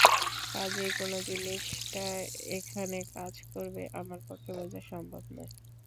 কাজেই কোন জিনিসটা এখানে কাজ করবে, আমার পক্ষে বোঝা সম্ভব নয়।